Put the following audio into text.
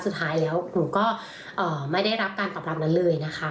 สุดท้ายแล้วหนูก็ไม่ได้รับการตอบรับนั้นเลยนะคะ